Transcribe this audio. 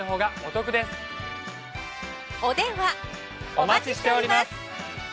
お待ちしております。